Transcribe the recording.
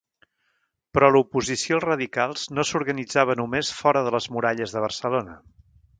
Però l'oposició als radicals no s'organitzava només fora de les muralles de Barcelona.